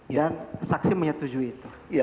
dan saksi menyetujui itu